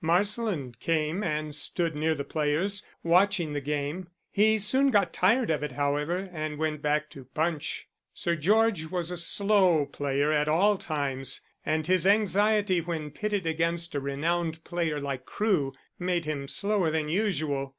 Marsland came and stood near the players, watching the game. He soon got tired of it, however, and went back to Punch. Sir George was a slow player at all times, and his anxiety when pitted against a renowned player like Crewe made him slower than usual.